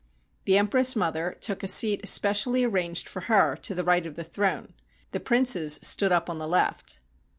The empress mother took a seat especially arranged for her to the right of the throne. The princes stood up on the left.